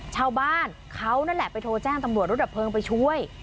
ชาวบ้านเขานั่นแหละไปโทรแจ้งตำรวจรถดับเพลิงไปช่วย